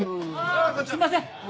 あすいません！